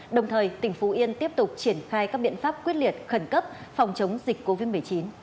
đồng thời tỉnh phú yên tiếp tục triển khai các biện pháp quyết liệt khẩn cấp phòng chống dịch covid một mươi chín